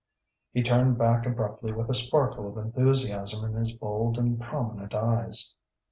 He turned back abruptly with a sparkle of enthusiasm in his bold and prominent eyes.